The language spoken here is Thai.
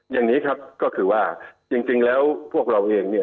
อย่างนี้ครับก็คือว่าจริงแล้วพวกเราเองเนี่ย